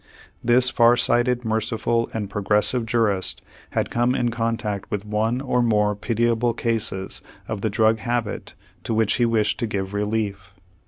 This far sighted, merciful, and progressive jurist had come in contact with one or more pitiable cases of the drug habit to which he wished to give relief.